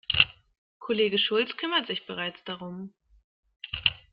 Kollege Schulz kümmert sich bereits darum.